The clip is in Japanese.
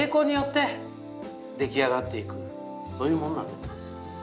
そういうもんなんです。